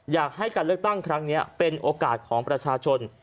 อยากให้การเลือกตั้งครั้งนี้เป็นโอกาสของประชาชน